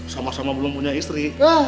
sama sama belum punya istri